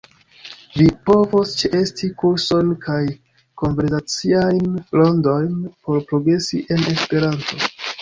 Vi povos ĉeesti kursojn kaj konversaciajn rondojn por progresi en Esperanto.